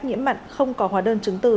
nhĩm mặt không có hóa đơn chứng từ